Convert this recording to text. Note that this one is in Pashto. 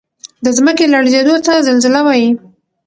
د ځمکې لړزیدو ته زلزله وایي